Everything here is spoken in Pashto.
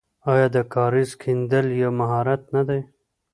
آیا د کاریز کیندل یو مهارت نه دی؟